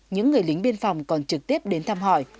những người lính biên phòng còn trực tiếp đến thăm hỏi